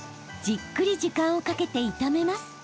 じっくり時間をかけて炒めます。